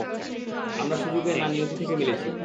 আমরা সুযোগে না নিয়তি থেকে মিলেছি।